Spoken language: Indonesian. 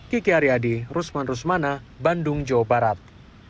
kiki aryadi rusman rusmana bandung jawa barat